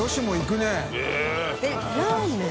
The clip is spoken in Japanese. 矢田）えっラーメン？